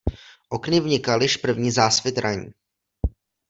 Okny vnikal již první zásvit ranní.